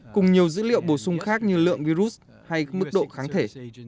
cùng nhiều dữ liệu bổ sung khác như lượng virus hay mức độ kháng thể